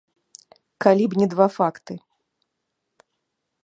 Калі б не два факты.